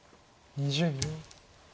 ２０秒。